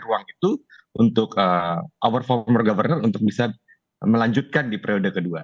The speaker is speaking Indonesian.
ruang itu untuk overform governance untuk bisa melanjutkan di periode kedua